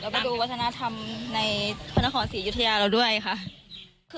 ไปดูวัฒนธรรมในคณะศาสตรีอยุธยาเราด้วยค่ะ